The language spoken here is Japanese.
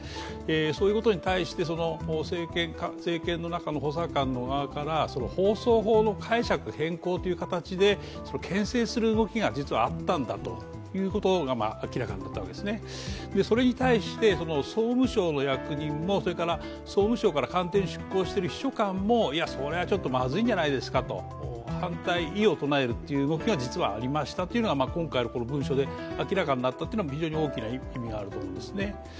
そういうことに対して政権の中の補佐官の側から放送法の解釈変更という形でけん制する動きがあったんだということが明らかになったわけですね、それに対して総務省の役人も、それから総務省から官邸に出向している秘書官もそれはちょっとまずいんじゃないですかと反対、異を唱えることがありましたというのが今回のこの文書で明らかになったというのは非常に大きな意味があると思います。